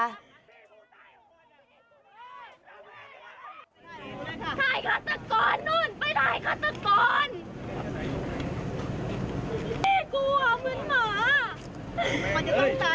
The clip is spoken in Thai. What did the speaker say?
ใครก็ตะโกนนู้นไม่ได้ก็ตะโกน